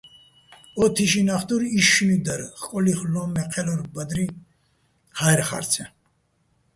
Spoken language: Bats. ო თიშიჼ ნახ თურ იშშნუჲ დარ, ხკოლი́ხ ლო́უმო̆ მე ჴე́ლორ ბადრი ჰაერ ხარცჲაჼ.